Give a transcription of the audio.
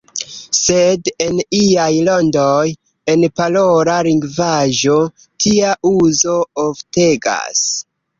Sed en iaj rondoj, en parola lingvaĵo, tia uzo oftegas.